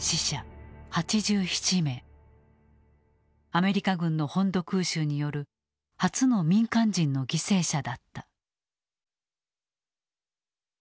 アメリカ軍の本土空襲による初の民間人の犠牲者だった。